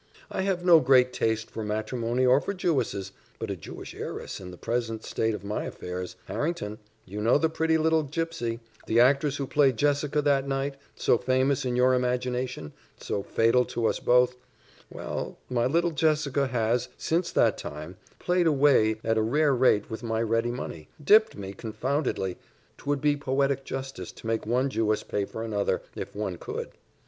"I have no great taste for matrimony or for Jewesses, but a Jewish heiress in the present state of my affairs Harrington, you know the pretty little gipsy the actress who played Jessica that night, so famous in your imagination, so fatal to us both well, my little Jessica has, since that time, played away at a rare rate with my ready money dipped me confoundedly 'twould be poetic justice to make one Jewess pay for another, if one could.